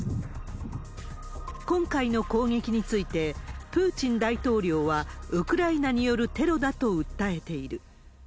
今回の攻撃について、プーチン大統領はウクライナによるテロだと訴えている。